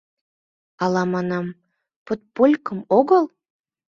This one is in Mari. — Ала, манам, подполькым огыл?